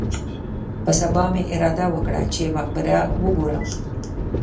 په سبا مې اراده وکړه چې مقبره وګورم.